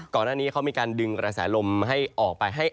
ก่อนหน้านี้เขามีการดึงกระแสลมให้ออกไป